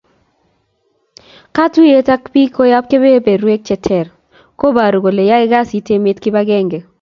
Katuyet ak bik koyap kebeberwek che ter kobaru kole yae kasit emet kibagenge